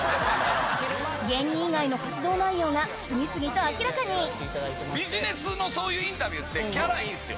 芸人以外の活動内容が次々と明らかにビジネスのそういうインタビューってギャラいいんすよ。